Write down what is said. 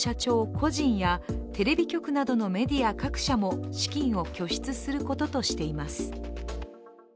個人やテレビ局などのメディア各社も資金を拠出することとしています。